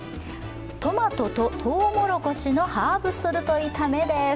トマトととうもろこしのハーブソルト炒めです。